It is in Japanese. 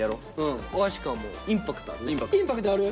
インパクトある？